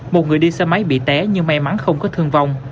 một người đi xe máy bị té nhưng may mắn không có thương vong